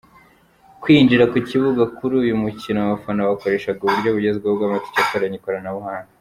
Kwinjira ku kibuga kuri uyu mukino abafana bakoreshaga uburyo bugezweho bw’amatike akoranye ikoranabuhanga.